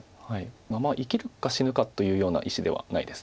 まあ生きるか死ぬかというような石ではないです。